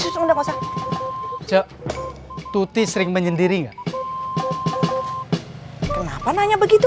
cuk tuti sering menyendiri nggak kenapa nanya begitu